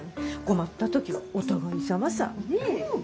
困った時はお互いさまさぁねぇ。